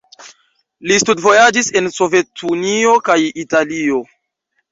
Li studvojaĝis en Sovetunio kaj Italio.